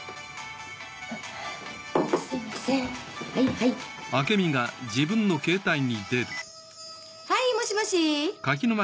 はいもしもし！